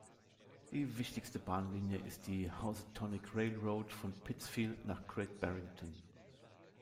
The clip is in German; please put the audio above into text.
Die wichtigste Bahnlinie ist die Housatonic Railroad von Pittsfield nach Great Barrington.